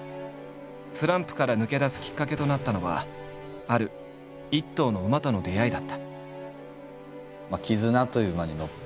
スランプから抜け出すきっかけとなったのはある一頭の馬との出会いだった。